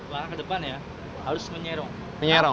maka ke depan ya harus menyerong